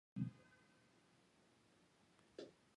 后由黄秉权接任。